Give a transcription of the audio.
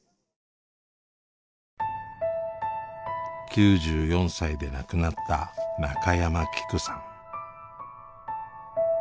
９４歳で亡くなった中山きくさん。